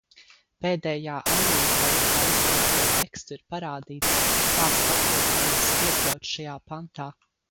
Pēdējā ailītē ar izcelto tekstu ir parādīts, kāds papildinājums ir iekļauts šajā pantā.